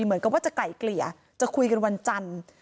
เหมือนกับว่าจะไกล่เกลี่ยจะคุยกันวันจันทร์